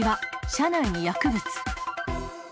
車内に薬物。